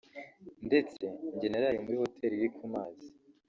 ndetse njye naraye muri Hoteli iri ku mazi